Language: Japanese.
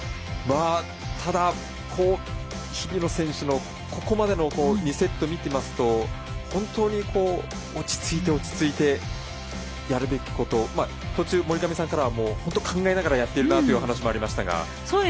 ただ、日比野選手のここまでの２セットを見ていますと本当に落ち着いて、やるべきこと途中、森上さんからは本当考えながらやってるなというお話もありましたが。